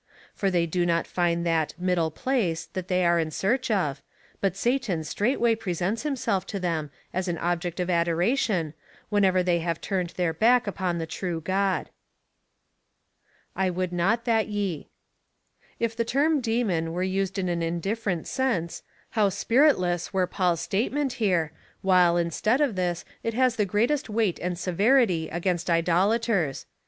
For they do not find that "middle place "^ that they are in search of, but Satan straight way presents himself to them, as an object of adoration, whenever they have turned their back upon the true God. I would not that ye. If the term demon were used in an indiiferent sense, how spiritless were Paul's statement here, while, instead of this, it has the greatest weight and severity against idolaters !